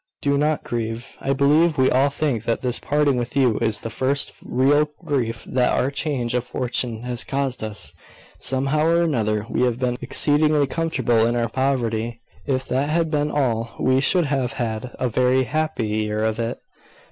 "Do not grieve. I believe we all think that this parting with you is the first real grief that our change of fortune has caused us. Somehow or other, we have been exceedingly comfortable in our poverty. If that had been all, we should have had a very happy year of it."